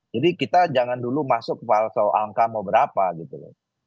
jadi kita jangan dulu masuk ke angka mau berapa gitu